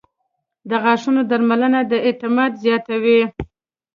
• د غاښونو درملنه د اعتماد زیاتوي.